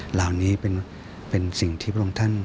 เหล่านี้เป็นสิ่งที่พระองค์ท่าน